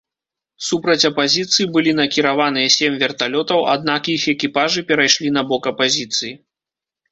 Супраць апазіцыі былі накіраваныя сем верталётаў, аднак іх экіпажы перайшлі на бок апазіцыі.